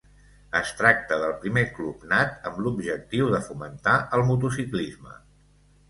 Es tracta del primer club nat amb l'objectiu de fomentar el motociclisme.